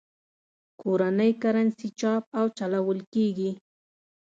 کورنۍ کرنسي چاپ او چلول کېږي.